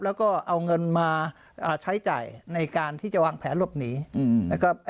แล้วก็เอาเงินมาใช้จ่ายในการที่จะวางแผนหลบหนีนะครับ